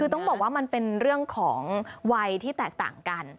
คือต้องบอกว่ามันเป็นเรื่องของวัยที่แตกต่างกัน